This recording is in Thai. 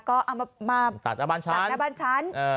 ก็เอามาตัดอาบบ้านชั้น